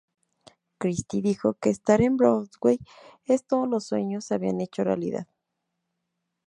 Christie dijo que estar en Broadway es "todos los sueños se habían hecho realidad".